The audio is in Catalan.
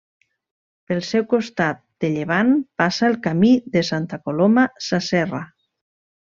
Pel seu costat de llevant passa el Camí de Santa Coloma Sasserra.